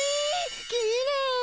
きれい！